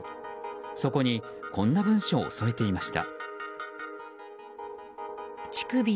そこに、こんな文章を添えていました。